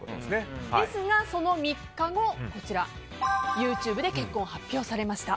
ですがその３日後ＹｏｕＴｕｂｅで結婚を発表されました。